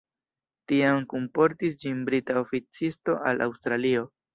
Tiam kunportis ĝin brita oficisto al Aŭstralio.